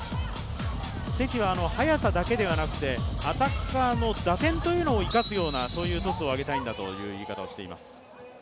関は速さだけではなくてアタッカーの打点というのも生かすようなそういうトスを上げたいんだという言い方をしています。